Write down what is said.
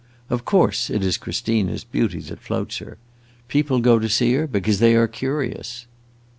Of course it is Christina's beauty that floats her. People go to see her because they are curious."